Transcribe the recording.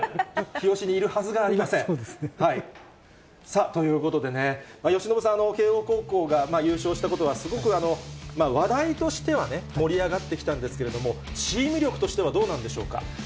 そうですね。さあ、ということでね、由伸さん、慶応高校が優勝したことはすごく話題としてはね、盛り上がってきたんですけれども、チーム力としてはどうなんでしょうか。